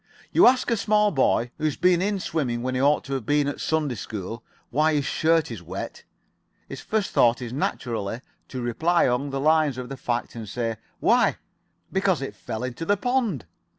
You ask a small boy, who has been in swimming when he ought to have been at Sunday school, why his shirt is wet. His first thought is naturally to reply along the line of fact and say, 'Why, because it fell into the pond.'